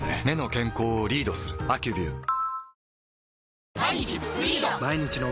目の健康をリードする「アキュビュー」